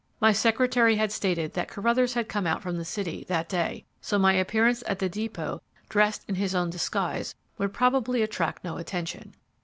My secretary had stated that Carruthers had come out from the city that day, so my appearance at the depot, dressed in his own disguise, would probably attract no attention.